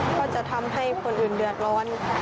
ก็จะทำให้คนอื่นเดือดร้อนค่ะ